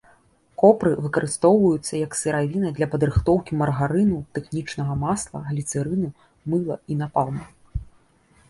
Копры выкарыстоўваецца як сыравіна для падрыхтоўкі маргарыну, тэхнічнага масла, гліцэрына, мыла і напалму.